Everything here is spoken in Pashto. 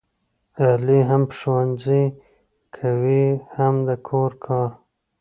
علي هم ښوونځی کوي هم د کور کار.